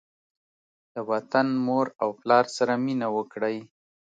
له وطن، مور او پلار سره مینه وکړئ.